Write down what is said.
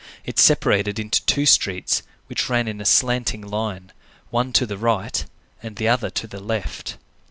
It separated into two streets, which ran in a slanting line, one to the right, and the other to the left.